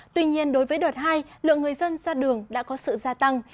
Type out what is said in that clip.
tuy nhiên đối với đợt hai lượng người dân ra đường đã có sự gia tăng